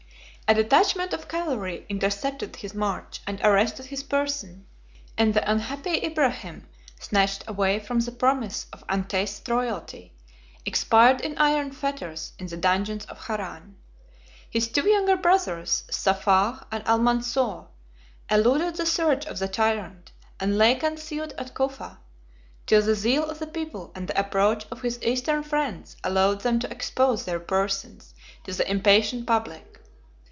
A detachment of cavalry intercepted his march and arrested his person; and the unhappy Ibrahim, snatched away from the promise of untasted royalty, expired in iron fetters in the dungeons of Haran. His two younger brothers, Saffah 3511 and Almansor, eluded the search of the tyrant, and lay concealed at Cufa, till the zeal of the people and the approach of his Eastern friends allowed them to expose their persons to the impatient public.